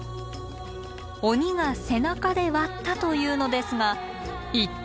鬼が背中で割ったというのですが一体どうやって？